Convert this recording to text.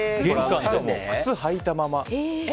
靴を履いたまま。